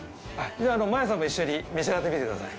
マヤさんも一緒に召し上がってみてください。